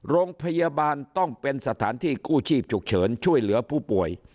โรงพยาบาลต้องเป็นสถานที่กู้ชีพฉุกเฉินช่วยเหลือผู้ป่วย